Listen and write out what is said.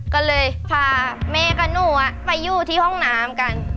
ก็เลยพาแม่กับหนูไปอยู่ที่ห้องน้ำกัน